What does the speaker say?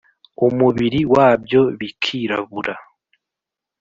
umubiri wabyo bikirabura.